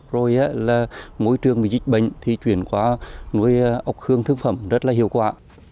rồi là môi trường bị dịch bệnh thì chuyển qua nuôi ốc hương thương phẩm rất là hiệu quả